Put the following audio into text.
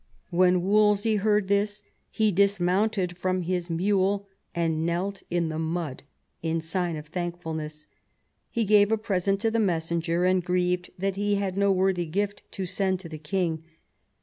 When Wolsey heard this he dismounted from his mule and knelt in the mud in sign of thankfulness. He gave a present to the messenger, and grieved that he had no worthy gift to send to the king.